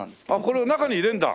これを中に入れるんだ？